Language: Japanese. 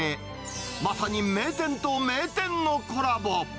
まさに名店と名店のコラボ。